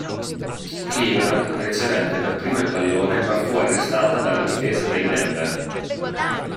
Cleveland ricevette per prima il pallone ma fu arrestata dalla difesa dei Denver.